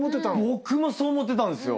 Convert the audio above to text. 僕もそう思ってたんすよ。